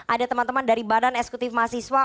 ada teman teman dari badan eksekutif mahasiswa